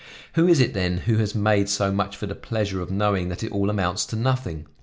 Who is it then who has made so much for the pleasure of knowing that it all amounts to nothing!